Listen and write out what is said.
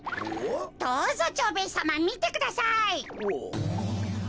どうぞ蝶兵衛さまみてください。